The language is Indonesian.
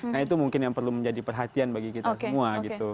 nah itu mungkin yang perlu menjadi perhatian bagi kita semua gitu